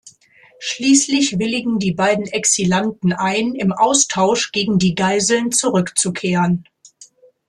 Schließlich willigen die beiden Exilanten ein, im Austausch gegen die Geiseln zurückzukehren.